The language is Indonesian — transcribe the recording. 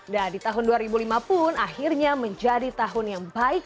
nah di tahun dua ribu lima pun akhirnya menjadi tahun yang baik